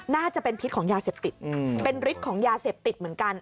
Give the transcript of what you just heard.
น่าจะเป็นพิษของยาเสพติดเป็นฤทธิ์ของยาเสพติดเหมือนกัน